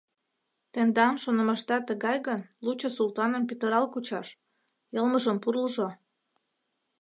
— Тендан шонымашда тыгай гын, лучо Султаным пӱтырал кучаш — йылмыжым пурлжо.